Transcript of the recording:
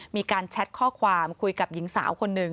มีการแชทข้อความคุยกับหญิงสาวคนนึง